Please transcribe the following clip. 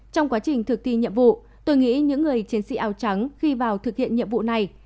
trong quá trình thực thi nhiệm vụ tôi nghĩ những người chiến sĩ áo trắng khi vào thực hiện nhiệm vụ này